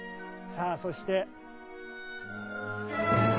さあそして。